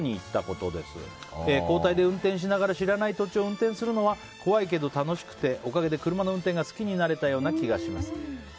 友達と交代で知らない土地を運転するのは怖いけど楽しくておかげで車の運転が好きになれたような気がします。